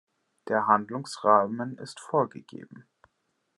Der Handlungsrahmen ist vorgegeben.